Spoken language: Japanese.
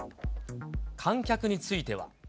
観客については。